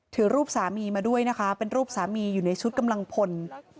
ถือรูปสามีมาด้วยนะคะเป็นรูปสามีอยู่ในชุดกำลังพล